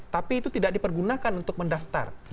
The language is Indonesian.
tapi itu tidak dipergunakan untuk mendaftar